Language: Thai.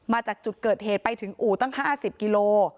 มาจากจุดเกิดเหตุไปถึงอู่ตั้ง๕๐กิโล